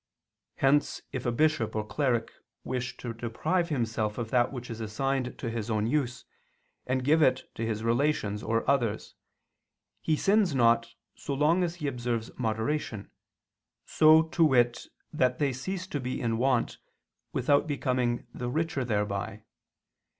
Hence if a bishop or cleric wish to deprive himself of that which is assigned to his own use, and give it to his relations or others, he sins not so long as he observes moderation, so, to wit, that they cease to be in want without becoming the richer thereby.